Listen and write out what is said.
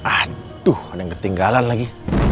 aduh tuh ada yang ketinggalan lagi